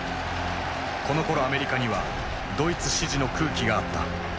このころアメリカにはドイツ支持の空気があった。